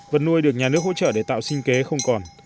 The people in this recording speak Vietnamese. vật nuôi được nhà nước hỗ trợ để tạo sinh kế không còn